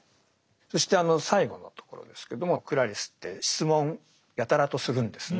そしてあの最後のところですけどもクラリスって質問やたらとするんですね。